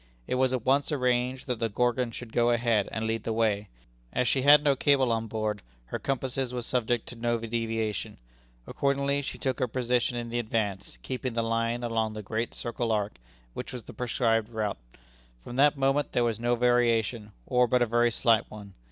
It was at once arranged that the Gorgon should go ahead and lead the way. As she had no cable on board, her compasses were subject to no deviation. Accordingly she took her position in the advance, keeping the line along the great circle arc, which was the prescribed route. From that moment there was no variation, or but a very slight one.